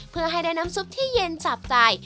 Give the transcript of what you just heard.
เพื่อให้ได้น้ำซุปที่เย็นจับใจ